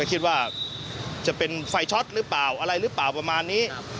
คิดว่าจะเป็นไฟช็อตหรือเปล่าอะไรหรือเปล่าประมาณนี้